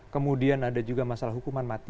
kemudian ada juga masalah hukuman mati